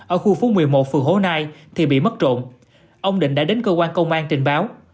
ở khu phố một mươi một phường hố nai thì bị mất trộm ông định đã đến cơ quan công an trình báo